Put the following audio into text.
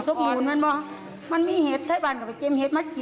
สงสัยมากมนต์นี่ก็สมบัติ